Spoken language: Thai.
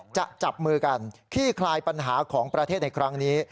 จับมือกันขี้คลายปัญหาของประเทศในครั้งนี้